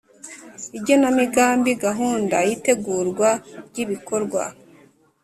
igenamigambi: gahunda y’itegurwa ry’ibikorwa